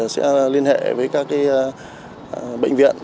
sẽ liên hệ với các bệnh viện